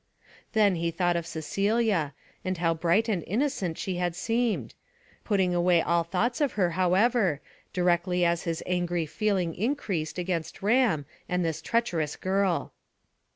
Then he thought of Celia, and how bright and innocent she had seemed; putting away all thoughts of her, however, directly as his angry feeling increased against Ram and this treacherous girl.